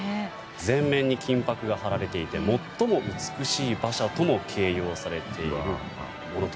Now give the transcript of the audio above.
全面に金箔が貼られていて最も美しい馬車とも形容されているものと。